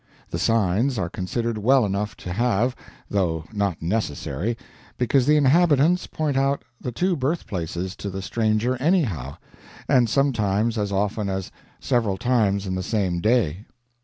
The signs are considered well enough to have, though not necessary, because the inhabitants point out the two birthplaces to the stranger anyhow, and sometimes as often as several times in the same day.